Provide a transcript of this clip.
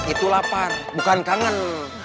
itu lapar bukan kangen